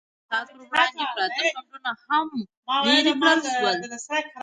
د اقتصاد پر وړاندې پراته خنډونه هم لرې کړل شول.